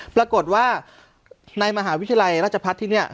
ปรากฏว่าในมหาวิทยาลัยราชพัฒน์ที่นี่